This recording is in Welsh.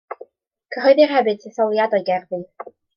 Cyhoeddir hefyd ddetholiad o'i gerddi.